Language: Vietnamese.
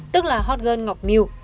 tức là hot girl ngọc miu